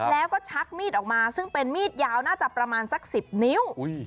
แล้วก็ชักมีดออกมาซึ่งเป็นมีดยาวน่าจะประมาณสัก๑๐นิ้ว